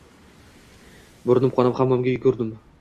Burnim qonab, hammomga yugurdim